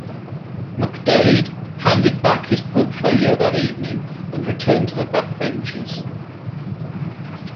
McDaid handed back his portfolio that evening and returned to the backbenches.